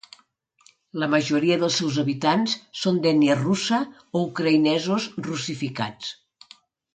La majoria dels seus habitants són d'ètnia russa o ucraïnesos russificats.